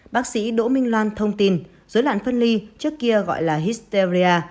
bác sĩ đỗ minh loan thông tin dối loạn phân ly trước kia gọi là histeria